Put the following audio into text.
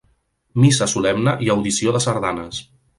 Missa solemne i audició de sardanes.